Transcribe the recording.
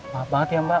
maaf banget ya mbak